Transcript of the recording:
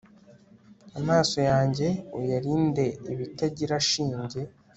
amaso yanjye uyarinde ibitagirashinge